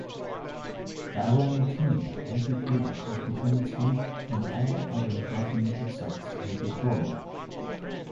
Ballantinia antipoda has become extinct in all other documented sites in Victoria.